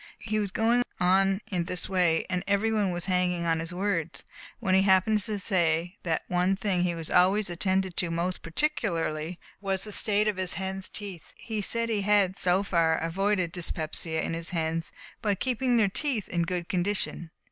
He was going on in this way, and every one was hanging on his words, when he happened to say that one thing he always attended to most particularly was the state of his hens' teeth. He said he had, so far, avoided dyspepsia in his hens, by keeping their teeth in good condition.